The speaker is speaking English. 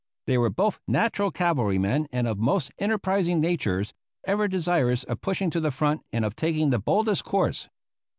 They were both natural cavalry men and of most enterprising natures, ever desirous of pushing to the front and of taking the boldest course.